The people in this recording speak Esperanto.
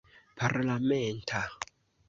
parlamenta